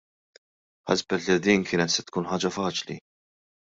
Ħasbet li din kienet se tkun ħaġa faċli.